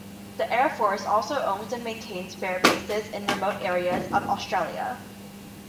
The air force also owns and maintains "bare bases" in remote areas of Australia.